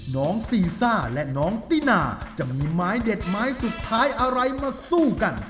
น้องซีซ่าและน้องตินาจะมีไม้เด็ดไม้สุดท้ายอะไรมาสู้กัน